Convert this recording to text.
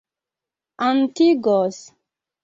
atingos